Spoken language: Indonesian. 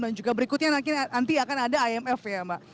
dan juga berikutnya nanti akan ada imf ya mbak